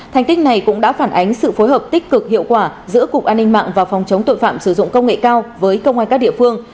thành tích này cũng đã phản ánh sự phối hợp tích cực hiệu quả giữa cục an ninh mạng và phòng chống tội phạm sử dụng công nghệ cao với công an các địa phương